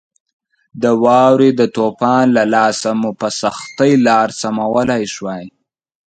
د واورې د طوفان له لاسه مو په سختۍ لار سمولای شوای.